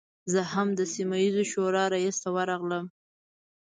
زه هم د سیمه ییزې شورا رئیس ته ورغلم.